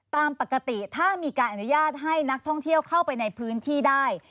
ตามปกติถ้ามีการอนุญาตให้นักท่องเที่ยวเข้าไปในพื้นที่ได้